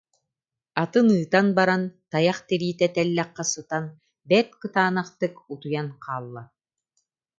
Атын ыытан ба- ран, тайах тириитэ тэллэххэ сытан бэрт кытаанахтык утуйан хаалла